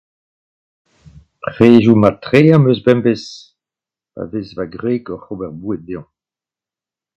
Predoù mat-tre am eus bemdez, pa vez va gwreg oc'h ober boued deomp.